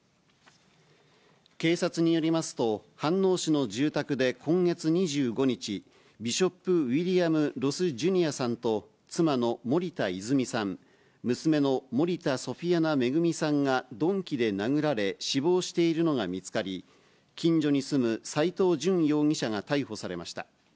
警察によりますと、飯能市の住宅で今月２５日、ビショップ・ウィリアム・ロス・ジュニアさんと妻の森田泉さん、娘の森田ソフィアナ恵さんが鈍器で殴られ、死亡しているのが見つかり、近所に住む斎藤淳容疑者が逮捕されました。